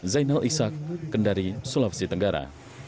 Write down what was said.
zainal ishak kendari sulawesi tenggara